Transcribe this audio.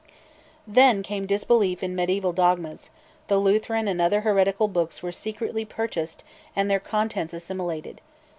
Then came disbelief in mediaeval dogmas: the Lutheran and other heretical books were secretly purchased and their contents assimilated.